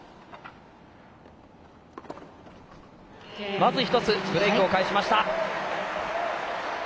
まず一つブレークを返しました。